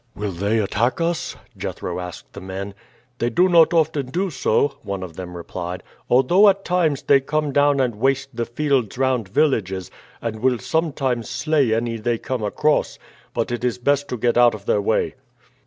"Will they attack us?" Jethro asked the men. "They do not often do so," one of them replied; "although at times they come down and waste the fields round villages, and will sometimes slay any they come across. But it is best to get out of their way."